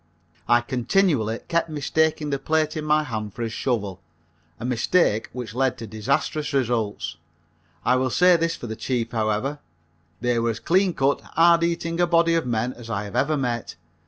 I continually kept mistaking the plate in my hand for a shovel, a mistake which led to disastrous results. I will say this for the chiefs, however they were as clean cut, hard eating a body of men as I have ever met.